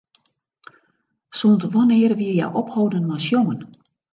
Sûnt wannear wie hja opholden mei sjongen?